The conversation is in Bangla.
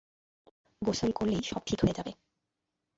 গোসল করলেই সব ঠিক হয়ে যাবে।